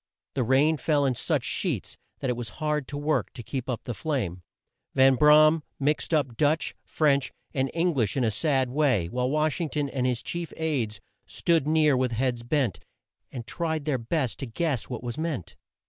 The rain fell in such sheets that it was hard work to keep up the flame. Van Bra am mixed up Dutch, French, and Eng lish in a sad way, while Wash ing ton and his chief aids stood near with heads bent, and tried their best to guess what was meant.